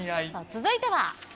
続いては。